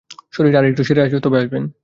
শরীর আর-একটু সেরে তবে আসবেন।